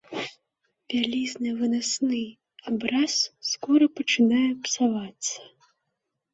Вялізны вынасны абраз скора пачынае псавацца.